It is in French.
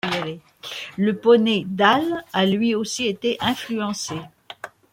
Le poney Dales a lui aussi été influencé.